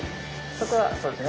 そこはそうですね